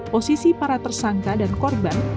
posisi para tersangka dan korban